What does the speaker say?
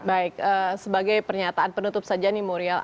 baik sebagai pernyataan penutup saja nih murial